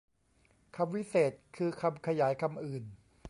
คำวิเศษณ์ คือคำขยายคำอื่น